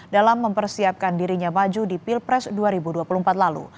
dalam mempersiapkan dirinya maju di pilpres dua ribu dua puluh empat lalu